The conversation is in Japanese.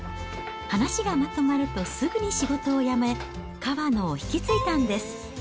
話がまとまるとすぐに仕事を辞め、かわのを引き継いだんです。